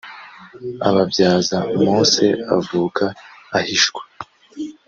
ababyaza mose avuka ahishwa